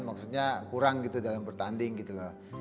maksudnya kurang gitu dalam bertanding gitu loh